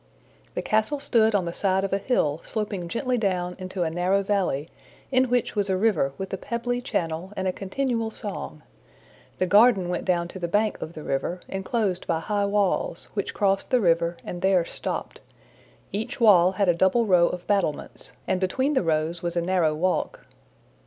The castle stood on the side of a hill sloping gently down into a arrow valley, in which was a river with a pebbly channel and a continual song. The garden went down to the bank of the river, enclosed by high walls, which crossed the river and there stopped. Each wall had a double row of battlements, and between the rows was a narrow walk.